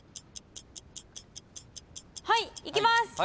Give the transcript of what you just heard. はいいきます。